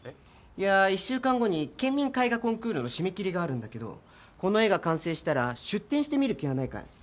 いやぁ１週間後に県民絵画コンクールの締め切りがあるんだけどこの絵が完成したら出展してみる気はないかい？